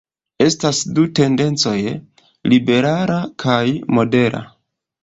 Estas du tendencoj: liberala kaj modera.